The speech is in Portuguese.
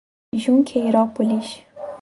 Junqueirópolis